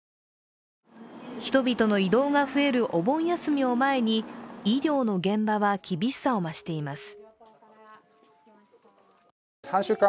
人々の移動が増えるお盆休みを前に、医療の現場は厳しさを増しています。